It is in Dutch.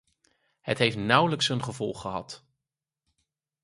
Het heeft nauwelijks een vervolg gehad.